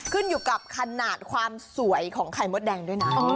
ขึ้นอยู่กับขนาดความสวยของไข่มดแดงด้วยนะ